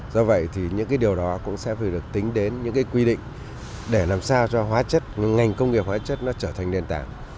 do vậy thì những điều đó cũng sẽ phải được tính đến những quy định để làm sao cho ngành công nghiệp hóa chất trở thành nền tảng